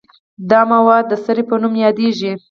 دا مواد د سرې په نوم یادیږي.